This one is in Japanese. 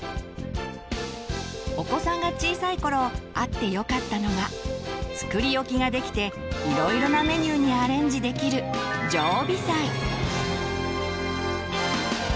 お子さんが小さい頃あってよかったのが作り置きができていろいろなメニューにアレンジできる「常備菜」。